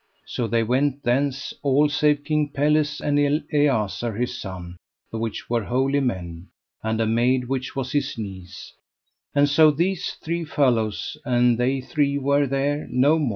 So they went thence, all save King Pelles and Eliazar, his son, the which were holy men, and a maid which was his niece; and so these three fellows and they three were there, no mo.